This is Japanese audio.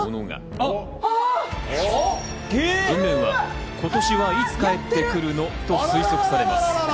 画面は「今年はいつ帰ってくるの」と推測されます。